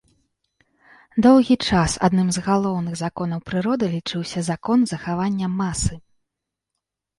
Доўгі час адным з галоўных законаў прыроды лічыўся закон захавання масы.